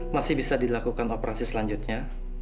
masih bisa dilakukan operasi selanjutnya